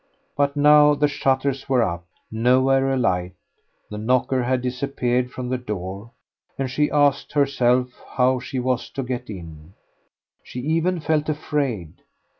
But now the shutters were up, nowhere a light; the knocker had disappeared from the door, and she asked herself how she was to get in. She even felt afraid....